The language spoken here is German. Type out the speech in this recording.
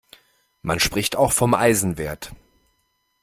Man spricht auch vom Eisenwert.